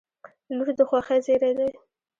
• لور د خوښۍ زېری دی.